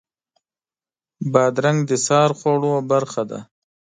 بادرنګ د سهار خوړو برخه ده.